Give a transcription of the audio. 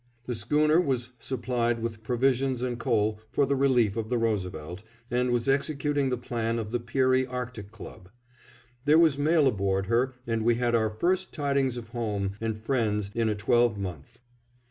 The schooner was supplied with provisions and coal for the relief of the Roosevelt, and was executing the plan of the Peary Arctic Club. There was mail aboard her and we had our first tidings of home and friends in a twelve month.